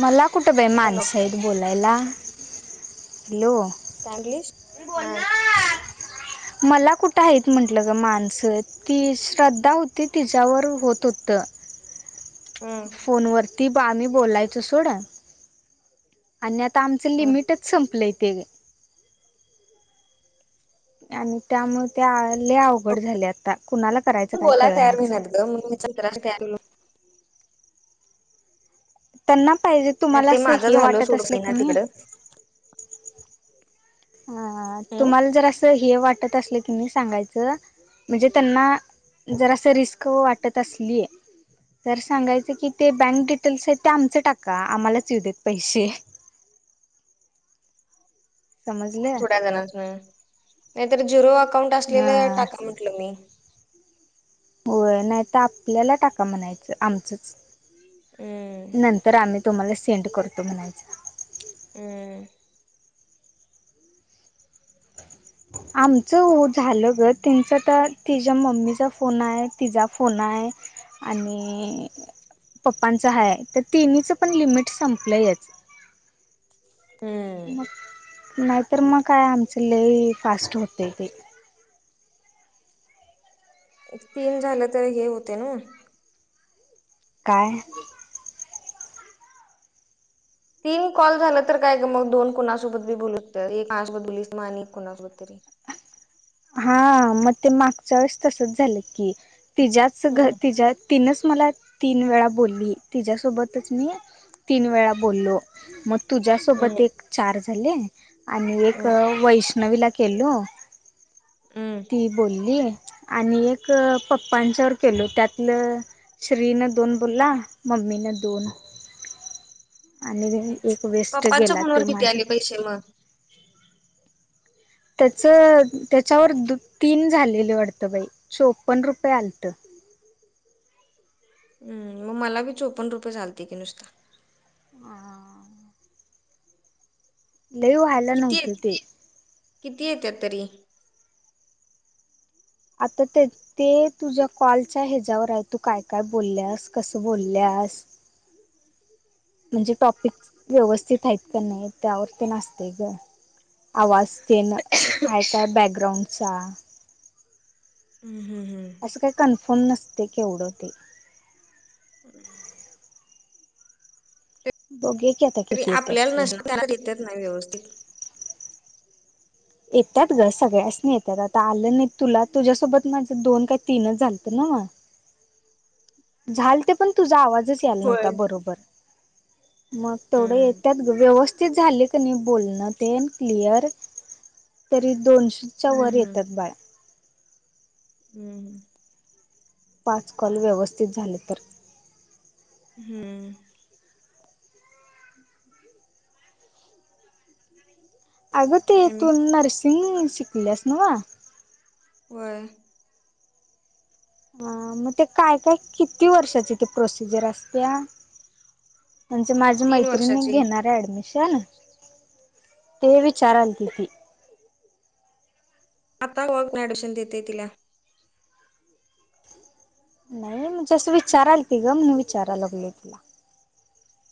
मला कुठ भी हॅलो माणस काय हेत बोलायला, हॅलो. म्हणलीस हा बोलना मला कुठं आहेत म्हंटलं ग माणस. ती श्रद्धा होती तिच्यावर होत होत. [inaudible] फोणवरती बामी बोलायचो सोडा- आणि आता आमचं हम् लिमिटच संपलंय ते. आणि त्यामुळे त्याले अवघड झाले आता कुणाला करायचं काय कळनाच. द मुनिच करायले काय लु. त्यांना पाहिजे तुम्हाला ते असं माझं हे झालं वाटत सोड असलं होईना का नाही. तिकडं ह ह हम् तुम्हाला जर असं हे वाटत असलं की मी सांगायचं, म्हणजे त्यांना जरास रिस्क वाटत असली. तर सांगायचं की ते बँक डिटेल्स आहेत ते आमचें टाका आम्हालाच येऊ देत पैसे. समजल. अह नाही तर झीरो अकाउंट हा असलेलं टाका म्हंटल मी. होय नाही तर आपल्याला टाका म्हणायचं आमचंच हम्म नंतर आम्ही. तुम्हाला सेंड करतो म्हणायच. हम्म [inaudible] आमच हो झाल ग. त्यांच तर तिच्या मम्मीचा फोन आहे. तिचा फोन आहे. आणि पप्पांच हाय. तर तिनीच पण लिमिट संपलय याच. मग, हम्म नाहीतर मग काय आमच लई फास्ट होतय ते. तीन झाल तर हे होते ना. काय? तीन कॉल झाल तर काय का मग दोन कोणासोबत बी बोलू शकतो. एक कोणासोबत बोललीस आणि एक कोणासोबत तरी हा मग ते मागच्या वेळेस तसच झाल की. तिच्याच हम्म घ तिच्या तिनच मला तीन वेळा बोलली. तिच्या सोबतच मी तीन वेळा बोललो. म तुझ्यासोबत हम्म एक चार झाले. आणि एक वैष्णवीला केलो. हम्म ती बोलली आणि एक पप्पांच्यावर केलो. त्यातल श्री न दोन बोलला. मम्मी न दोन. आणि एक वेस्ट पप्पाच्या गेला ते फोनवर किती आले माझं पैसे मग. त्याच त्याच्यावर द तीन झालेले वाटत बाई. चोपन्न रुपये आलत. हम्म, मग मला बी चोपन रुपये चालते की नुसत. ह ल‌ई व्हयला किती, किती येत्यात तरी. आता तेच ते तुझ्या कॉलच्या हच्या्यावर आहे. तू काय काय बोलल्यास. कस बोलल्यास. [inaudible] म्हणजे टॉपिक व्यवस्थित आहेत का नाही. त्यावर तेन असतय ग. आवाज तेन आहे काय बॅकग्राऊंडचा. हम्म हम्म हम्म अस काही कन्फर्म नसते केवढ ते. [inaudible] बघुया की आता. तरी किती येतात आपल्याला ते नस त्यांना देत्यात ना व्यवस्थित. येतात ग सगळ्यासनी येतात. आता आल नाही तुला तुझ्यासोबत माझ दोन काही तीनच झालत ना म. झालते पण तुझा आवाजच याला होय. नव्हता बरोबर. मग तेवढ हम्म. येत्यात ग. व्यवस्थित झाले. नी बोलण तेन क्लिअर. तरी दोनशेच्या वर हम्म हम्म येतात बाळा. हम्म पाच कॉल व्यवस्थित झाले तर. हम्म अग ते आणि तू नर्सिंग शिकल्यास नव्ह. व्हय हा, मग ते काय काय किती वर्षाचे ते प्रोसिजर असत्या. म्हणजे माझी तीन मैत्रिण एक वर्षाची घेणार आहे ऍडमिशन. ते विचाराल की ती. आता वर्क ऍडमिशन देते तिला. नाही म्हणजे अस विचारालती ती ग. म्हणु विचाराय लागलो तुला.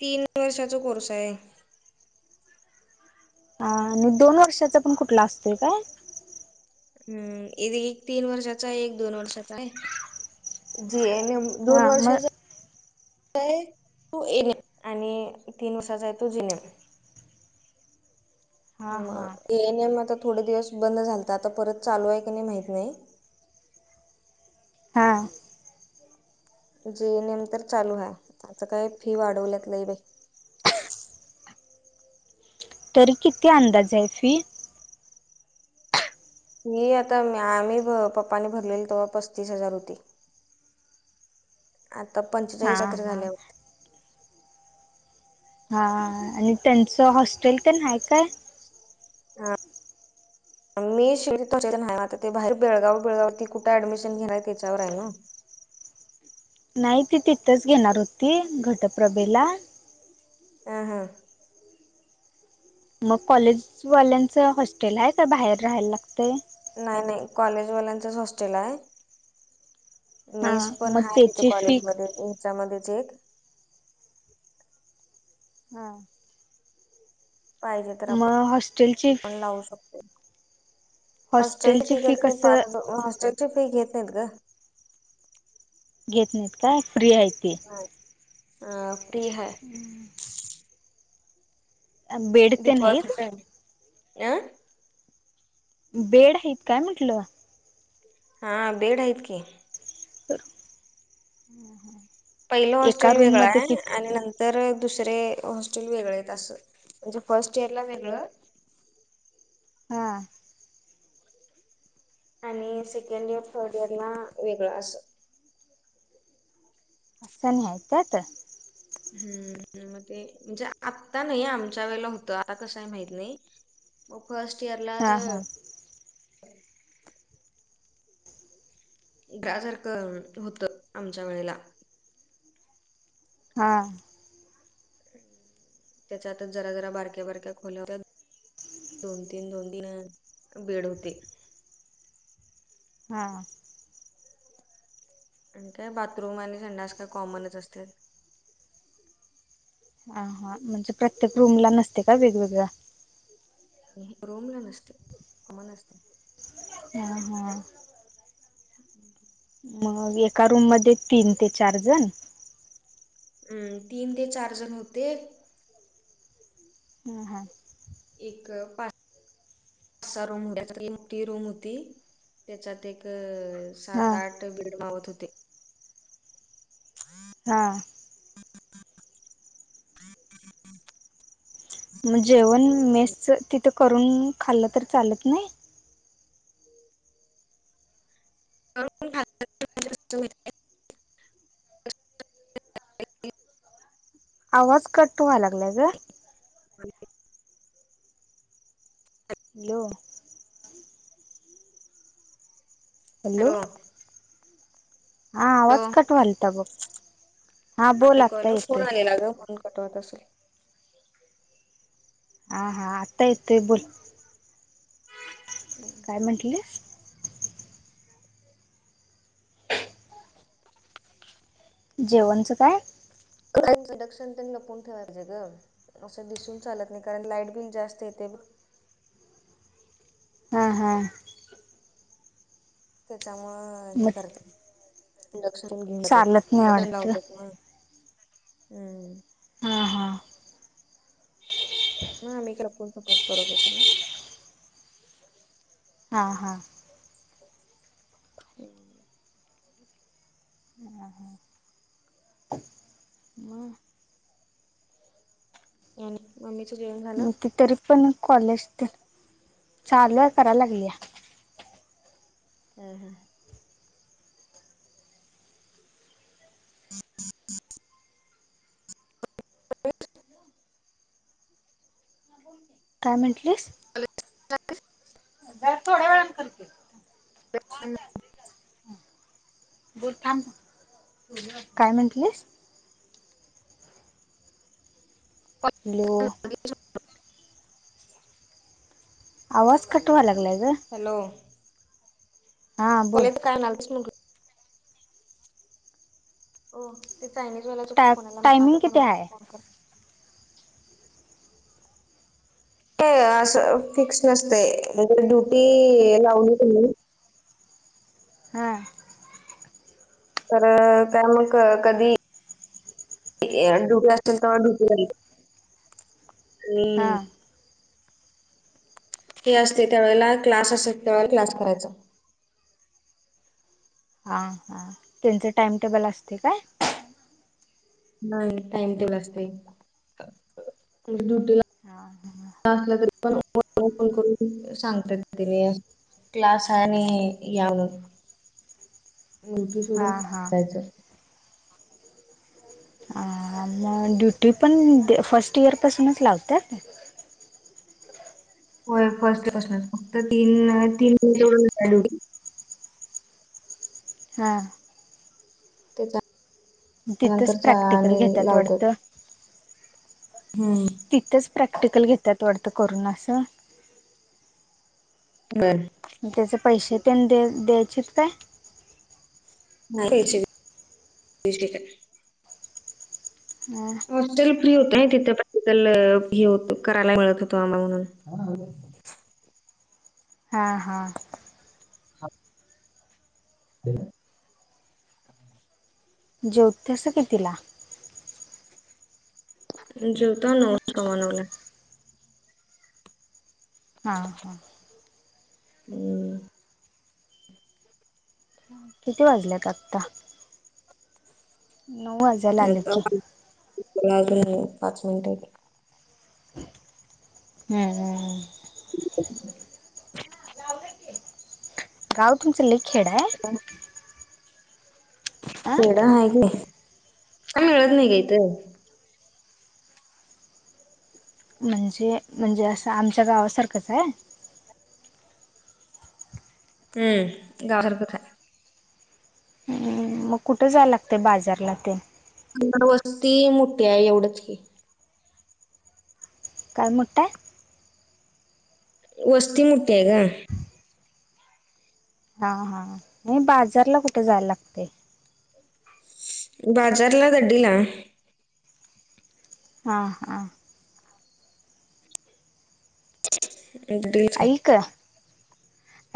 तीन वर्षाचा कोर्स आहे. हा आणि, दोन वर्षाचा पण कुठला असतोय काय? हम्मं एक तीनं वर्षाचा एक दोन वर्षाचा आहे जी एम एन. हा दोन मग वर्षाचां. तूं एनिम आणि तीनं वर्षचा आहे तूं जिनिम. हां हां मग ए एनएम आंता थोडे दिवसं बंद झालंत आंता परंत चालूं आहे की नाहीं माहित नाहीं हां जी नेम तरं चालूं आहे आमचं कायं फी वाढवल्यांत लई बाई तरी किती अंदाज आहे फी ही आंता आम्हीं पप्पांने भरलेली तेव्हां पस्तीस हजांर होती आंता पंचचाळी हा रात्रे हा झाल्यां होतं हां हां आणि त्यांचं हॉस्टेल पणं आहे कायं मी शिव आहे आंता ते बाहेर बेळगांव बिळगांव ते कुठे ऍडमिशन घेणारं आहे त्यांच्यावर आहे नां नाहीं ती तिथंच घेणारं होती घटप्रभेला आं हां मंग कॉलेजवाल्यांचं हॉस्टेल आहे कां मंग बाहेर राहांवाला लागतं नाहीं नाहीं कॉलेजवाल्यांच चं हॉस्टेल आहे हा मेस मग पणं आहे तिथे त्याची फी कॉलेजमध्यें हेच्यांमध्यें चं एक हां मंग हॉस्टेलची लावूं शकतो हॉस्टेल हॉस्टेलची फी कसं घेतं हॉस्टेलची फी घेतं नाहींत गं घेतं नाहींत कायं फ्री आहे ते हं हं फी आहे हं तेन डिपॉजिट हाईत? आहे अं बेड आहेतं कायं म्हटलं हां बेड आहेतं की तरं हम्मं हम्मं पहिलं हॉस्टेल वेगळं आहे आणि नंतर तरं दुसरे हॉस्टेल वेगळे असं म्हणजे फर्स्ट इयंर लां वेगळं हां आणि सेकंड इयंर थर्ड इयंर नां वेगळं असतं असं नाहीं त्यां तरं हम्मं मंग ते म्हणजे आंत्ता नाहीं आमच्या वेळेलां होतं आंता कसं माहीत नाहीं फर्स्ट इयंर लां हा जरं हा ग्राजरकरं होतं आमच्या वेळेला हां त्यांच्या आंत जरां जरां बारक्यां बारक्यां खोल्यां होत्यां दोन तीनं दोन तीनं बीड होते हां कारणं कायं बाथरूंम आणि संडस कायं कॉमनचं असते हं हां म्हणजे प्रत्येक रूंम लां नसते कां वेगवेगळ्यां रूंम लांचं असते कम्बाईन असते हां हां हम्मं मग एका रूम मध्ये तीन ते चार जण अम् तीन ते चार जण होते हम्म हा एक पा असा रूम त्या मोठी रूम होती, त्याच्यात एक हा सात, हा आठ बीड मावत होते. [unintelligible] हा [unintelligible] [unintelligible] मग जेवण मेसच तिथं करून खाल्लं तर चालत नाही? [unintelligible] आवाज कट व्हाय लागलाय गं? [unintelligible] हॅलो हॅलो हा हो आवाज कट व्हालता बघ हा आता बोल एक आत्ता कॉल फोन येतोय आलेला ग म्हणून कट होत असल. हा हा आता येतोय बोल. काय म्हटलीस? जेवणचं काय? [unintelligible] तेन लपवून ठेवाय पाहजे गं असं दिसून चालत नाही, कारण लाईट बिल जास्त येतय बघ. हा हा त्याच्यामुळ हे मग करत्यात इंडक्शन घेऊन जात्यात, चालत नाही दंड वाटत लावत्यात म हम् हा हा म आम्ही काय लपूण करत [unintelligible] होतो हा हा हम् मग आणि मम्मीचं जेवण झालं ती तरी पण कॉलेज तेन, चालू हाय कराय लागलीया. हम् हम [unintelligible] [unintelligible] [unintelligible] काय म्हटलीस? [unintelligible] जरा थोड्या वेळान कर की [unintelligible] काय म्हंटलीस हॅलो [unintelligible] आवाज कट व्हाय लागलाय ग. हॅलो हा बोल [unintelligible] वो ते चायनीजवाल्याच टा फोनला आलाय टायमिंग माझ्या किती फोनवरन आहे फोन कर. असं फिक्स नसतय म्हणे ड्युटी लावली कणी आ! तर काय मग कधी ड्युटी असेल तेव्हा ड्युटीला हा हम्म! ती असते त्यावेळेला क्लास असत त्यावेळेला क्लास करायचा. हा हां त्यांचं टाइमटेबल असते काय? नाही टाइम टेबल असते हा ड्युटीला असला तरी पण फोन करून सांगत्यात तिन्ही असे क्लास हाय आणि या म्हणून मुलगी हा सोडून हा जायचं. ह म ड्युटी पण फस्ट इयरपासूनच लावत्यात? होय फर्स्ट इयरफसनच फक्त तीन तीन जवळ एवढी. हा! तिथंच प्रॅक्टिकल घेतात वाटतं [unintelligible] हम्म! तिथंच प्रॅक्टिकल घेतात वाटतं करून असं? बर! आणि त्याचे पैसे तेन द द्यायचीत काय? [unintelligible] हम्म! हॉस्टेल फ्री होत ना तिथे प्रॅक्टिकल हे करायला मिळत होत आम्हा म्हणून. हा हा! म्हणून. [unintelligible] जेवतेस कितीला? जेवतो नऊ सव्वा नऊला. हा हा! [unintelligible] किती वाजल्यात आता? नऊ वाज येताव की माझं अजून पाच मिनट. हं हं हं! गाव तुमचं लय खेड हाय? [unintelligible] अ खेड हाय काय मिळत नाही गं हिथं. म्हणजे म्हणजे असं आमच्या गावासारखंच हाय हम्म, गावासारखंच हाय. हम्म मग कुठं जाया लागतंय बाजारला ते? पण वस्ती मोठी हाय एवढच की काय मोठं हाय? वस्ती मोठी हाय गं. हा हा, नाही बाजारला कुठं जायला लागते? बाजारला दड्डीला. हां हां! [unintelligible] ऐक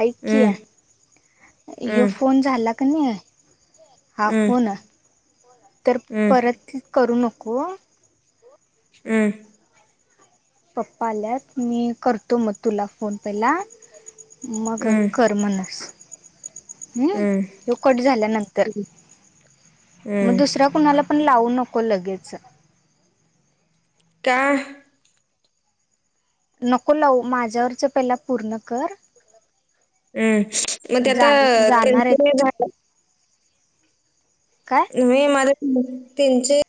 ऐक की ह्यो फोन झाला कन्हीं हा फोन तर परत करू नको. हम्म! पप्पा आल्यात, मी करतो मग तुला फोन पहिला? मग कर म्हणस. हम ह्यो कट झाल्यानंतर मग दुसरा कुणाला पण लावू नको लगेच. का? नको लावू माझ्यावरच पहिला पूर्ण कर. हम्म, मग ते आता जाण त्यांच जाणार ते आहेत झालं? काय नाही माझं त्यांची?